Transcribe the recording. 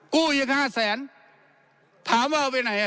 กู้อีกห้าแสนถามว่าเอาไปไหนอ่ะ